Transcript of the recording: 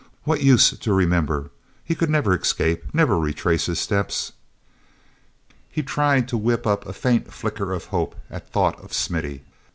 What use to remember? He could never escape, never retrace his steps. He tried to whip up a faint flicker of hope at thought of Smithy.